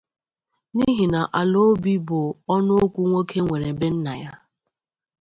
n'ihi na ala obi bụ ọnụ okwu nwoke nwere be nna ya